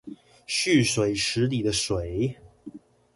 蓄水池裡的水